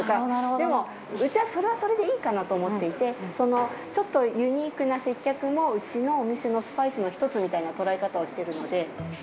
でも、うちはそれはそれでいいかなと思っていて、そのちょっとユニークな接客もうちのお店のスパイスの一つみたいな捉え方をしているので。